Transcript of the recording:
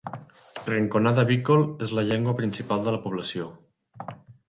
Rinconada Bikol és la llengua principal de la població.